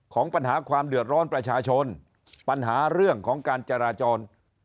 ของปัญหาความเดือดร้อนประชาชนปัญหาเรื่องของการจราจร